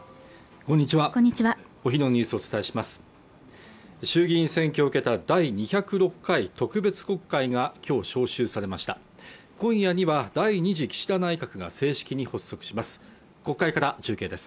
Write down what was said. こんにちはお昼のニュースをお伝えします衆議院選挙を受けた第２０６回特別国会がきょう召集されました今夜には第２次岸田内閣が正式に発足します